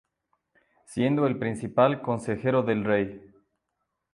Siendo el principal consejero del rey.